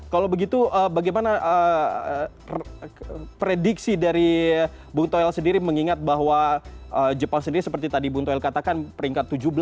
kalau begitu bagaimana prediksi dari bung toel sendiri mengingat bahwa jepang sendiri seperti tadi bung toel katakan peringkat tujuh belas